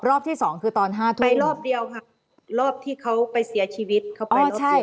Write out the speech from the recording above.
รอบที่๒คือตอน๕ทุ่มไปรอบเดียวครับรอบที่เขาไปเสียชีวิต